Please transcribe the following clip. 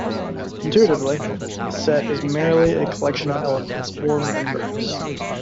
Intuitively, a set is merely a collection of elements or "members".